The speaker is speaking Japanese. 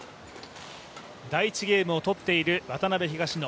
第１ゲームを取っている渡辺・東野。